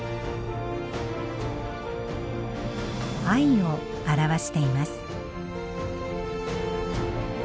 を表しています。